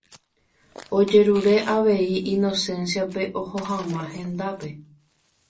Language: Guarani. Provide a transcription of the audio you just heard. Ojerure avei Inocencia-pe oho hag̃ua hendápe.